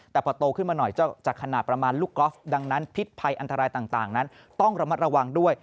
แต่พอโตขึ้นมาหน่อยจะขนาดประมาณลูกกอล์ฟดังนั้นพิษภัยอันตรายต่างนั้นต้องระมัดระวังด้วย